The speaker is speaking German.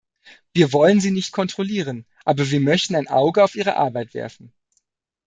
Wir wollen sie nicht kontrollieren, aber wir möchten ein Auge auf ihre Arbeit werfen.